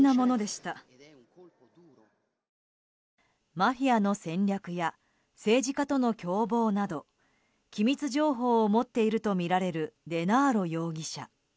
マフィアの戦略や政治家との共謀など機密情報を持っているとみられるデナーロ容疑者。